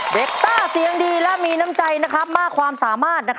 ต้าเสียงดีและมีน้ำใจมากความสามารถ